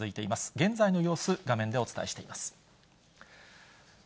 現在の様子、画面でお伝えしてまいります。